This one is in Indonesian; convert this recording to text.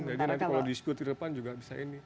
jadi nanti kalau diskusi di depan juga bisa ini